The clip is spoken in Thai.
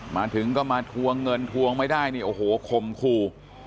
มาถึงก็มาทวงเงินทวงไม่ได้เนี่ยโอ้โหคมคู่